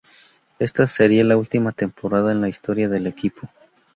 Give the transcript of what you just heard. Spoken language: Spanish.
Esta sería la última temporada en la historia del equipo.